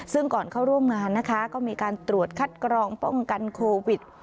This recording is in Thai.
ซึ่งก่อนเข้าร่วมงานนะคะก็มีการตรวจคัดกรองป้องกันโควิด